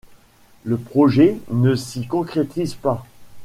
Le projet ne s'y concrétise pas.